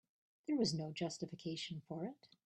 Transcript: There was no justification for it.